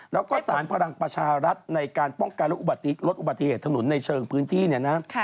แล้วก็สารพลังประชารัฐในการป้องกันและลดอุบัติเหตุถนนในเชิงพื้นที่เนี่ยนะ